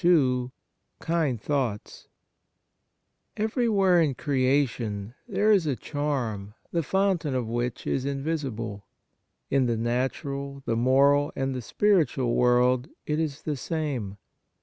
II KIND THOUGHTS Everywhere in creation there is a charm, the fountain of which is invisible. In the natural, the moral, and the spiritual world it is the same.